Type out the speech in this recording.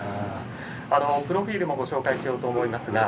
プロフィールもご紹介しようと思います。